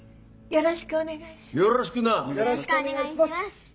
よろしくお願いします。